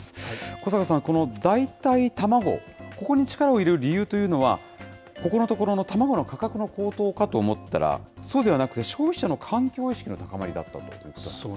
小坂さん、この代替卵、ここに力を入れる理由というのは、ここのところの卵の価格の高騰かと思ったら、そうではなくて、消費者の環境意識の高まりだったということなんですね。